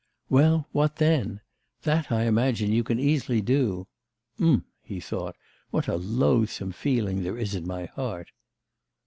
'Well, what then? That, I imagine, you can easily do.' 'Ugh!' he thought, 'what a loathsome feeling there is in my heart!